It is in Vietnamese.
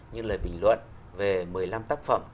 như lời bình luận về một mươi năm tác phẩm